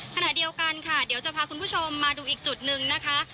ขณะเดียวกันค่ะเดี๋ยวจะพาคุณผู้ชมมาดูอีกจุดหนึ่งนะคะ